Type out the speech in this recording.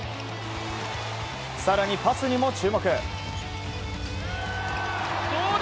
更にパスにも注目。